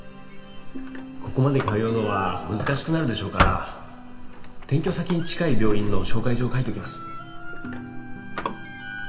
ここまで通うのは難しくなるでしょうから転居先に近い病院の紹介状書いときます。